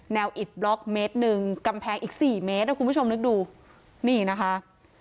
อิดบล็อกเมตรหนึ่งกำแพงอีกสี่เมตรนะคุณผู้ชมนึกดูนี่นะคะ